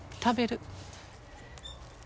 食べる。